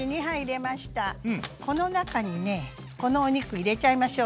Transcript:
この中にねこのお肉入れちゃいましょう。